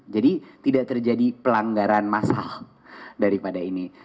jadi tidak terjadi pelonggaran masalah daripada ini